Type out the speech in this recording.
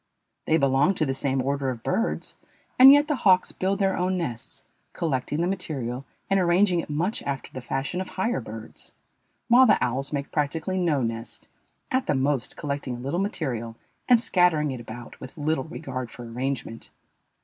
They belong to the same order of birds, and yet the hawks build their own nests, collecting the material and arranging it much after the fashion of higher birds, while the owls make practically no nest, at the most collecting a little material and scattering it about with little regard for arrangement.